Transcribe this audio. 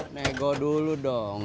naik go dulu dong